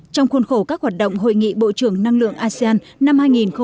trong khuôn khổ các hoạt động hội nghị bộ trưởng năng lượng asean năm hai nghìn hai mươi